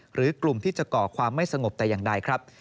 หรือกลุ่มที่จะก่อความไม่สงบแต่อย่างใดครับ